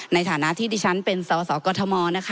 ในฐานะที่ดิฉันเป็นสาวกอทม